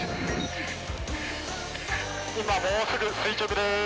今もうすぐ垂直です。